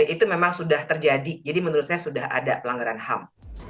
itu memang sudah terjadi jadi menurut saya sudah ada pelanggaran ham